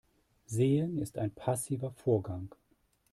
Sehen ist ein passiver Vorgang.